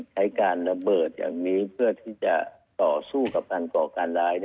ใช้การระเบิดอย่างนี้เพื่อที่จะต่อสู้กับการก่อการร้าย